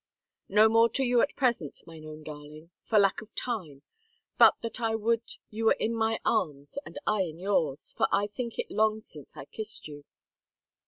" No more to you at present, mine own darling, for lack of time, but that I would you were in my arms and I in yours, for I think it long since I kissed you."